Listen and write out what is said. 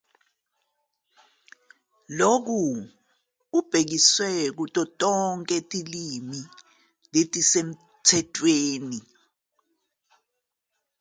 Lokhu kubhekiswe kuzo zonke izilimi ezisemthethweni.